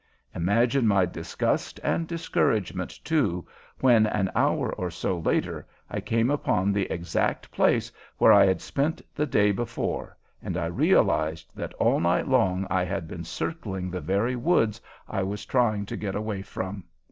Imagine my disgust and discouragement, too, when, an hour or so later, I came upon the exact place where I had spent the day before, and I realized that all night long I had been circling the very woods I was trying to get away from.